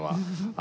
あ。